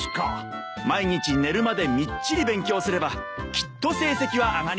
毎日寝るまでみっちり勉強すればきっと成績は上がります。